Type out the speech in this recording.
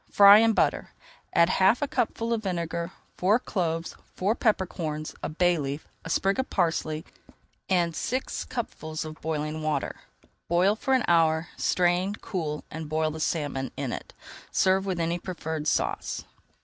Fry in butter, add half a cupful of vinegar, four cloves, four pepper corns, a bay leaf, a sprig of parsley, and six cupfuls of boiling water. Boil for an hour, strain, cool, and boil the salmon in it. Serve with any preferred sauce.